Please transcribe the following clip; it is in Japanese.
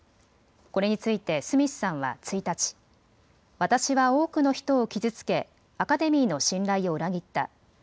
これについてスミスさんは１日、私は多くの人を傷つけアカデミーの信頼を裏切った。